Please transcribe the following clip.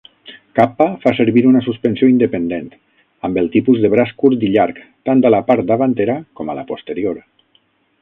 Kappa fa servir una suspensió independent, amb el tipus de braç curt i llarg, tant a la part davantera com a la posterior.